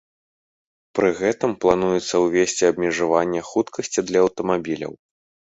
Пры гэтым плануецца ўвесці абмежаванне хуткасці для аўтамабіляў.